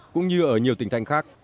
cũng như ở nhiều tỉnh thành khác